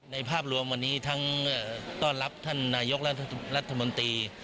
ภาพรวมวันนี้ทั้งต้อนรับท่านนายกรัฐมนตรี